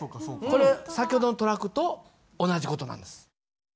これ先ほどのトラックと同じ事なんです。